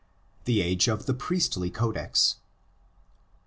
THE AGE OF THE PRIESTLY CODEX.